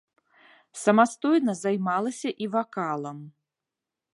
Самастойна займалася і вакалам.